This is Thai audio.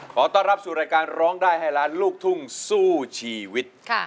ขอต้อนรับสู่รายการร้องได้ให้ล้านลูกทุ่งสู้ชีวิต